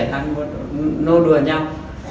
đang nuôi đùa nhau